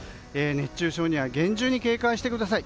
熱中症には厳重に警戒してください。